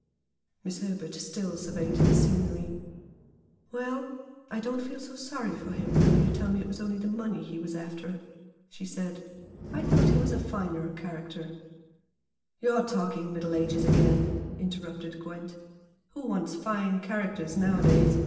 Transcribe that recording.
Miss Herbert still surveyed the scenery. "Well, I don't feel so sorry for him now you tell me it was only the money he was after" she said "I thought he was a finer character " "You're talking 'Middle Ages' again," interrupted Gwent "Who wants fine characters nowadays?